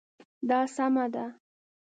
دا سمه ده